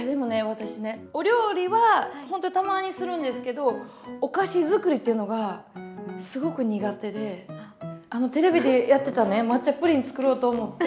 私ねお料理はほんとにたまにするんですけどお菓子づくりっていうのがすごく苦手であのテレビでやってたね抹茶プリン作ろうと思って。